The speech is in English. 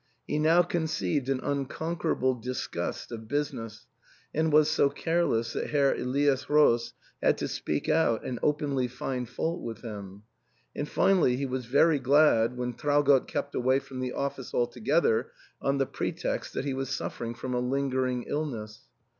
He now conceived an un conquerable disgust of business, and was so careless that Herr Elias Roos had to speak out and openly find fault with him ; and finally he was very glad when Traugott kept away from the office altogether, on the pretext that he was suffering from a lingering illness.